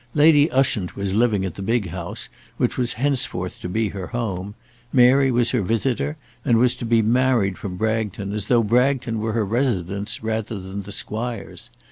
Lady Ushant was living at the big house, which was henceforth to be her home. Mary was her visitor, and was to be married from Bragton as though Bragton were her residence rather than the squire's.